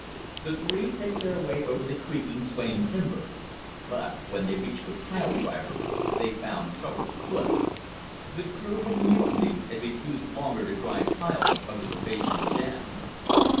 The three picked their way over the creaking, swaying timber. But when they reached the pile driver, they found trouble afoot. The crew had mutinied, and refused longer to drive piles under the face of the jam.